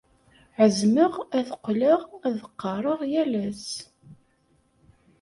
Ɛezmeɣ ad qqleɣ ad qqareɣ yal ass.